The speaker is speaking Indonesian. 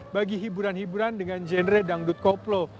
bagi hiburan hiburan dengan genre dangdut koplo